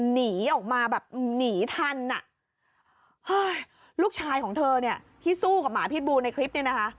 หนีออกมาแบบหนีทันอ่ะเฮ้ยลูกชายของเธอเนี่ยที่สู้กับหมาพิษบูในคลิปเนี่ยนะคะ